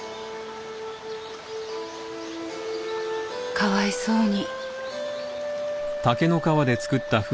かわいそうに。